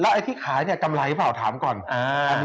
แล้วใครขายเนี่ยไปต้นปีเนี่ยเรายังไม่รู้เนมาก